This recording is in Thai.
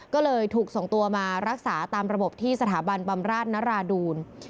ก็เลยถูกส่งตัวมารักษาตามระบบที่สถาบันบำราชนราดูล